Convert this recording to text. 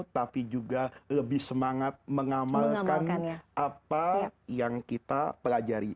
tapi juga lebih semangat mengamalkan apa yang kita pelajari